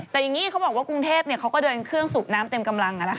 แต่อย่างนี้เขาบอกว่ากรุงเทพเขาก็เดินเครื่องสูบน้ำเต็มกำลัง